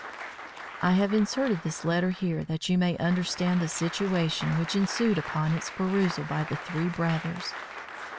I have inserted this letter here that you may understand the situation which ensued upon its perusal by the three brothers.